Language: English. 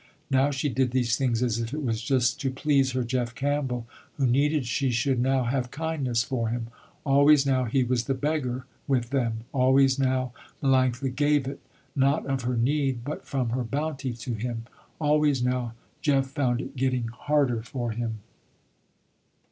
Now she did these things, as if it was just to please her Jeff Campbell who needed she should now have kindness for him. Always now he was the beggar, with them. Always now Melanctha gave it, not of her need, but from her bounty to him. Always now Jeff found it getting harder for him.